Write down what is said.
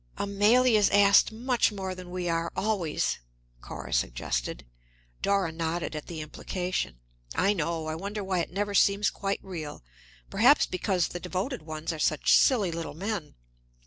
"Amélie is asked much more than we are, always," Cora suggested. Dora nodded at the implication. "I know. I wonder why it never seems quite real. Perhaps because the devoted ones are such silly little men."